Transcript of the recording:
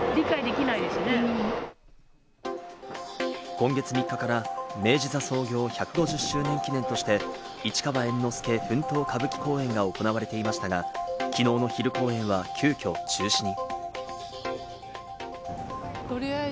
今月３日から、明治座創業１５０周年記念事業として、『市川猿之助奮闘歌舞伎公演』が行われていましたが、きのうの昼公演は急きょ中止に。